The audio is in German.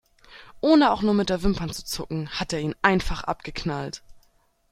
Ohne auch nur mit der Wimper zu zucken, hat er ihn einfach abgeknallt.